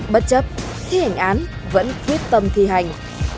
bất chấp thi hành án vẫn quyết tâm thi hành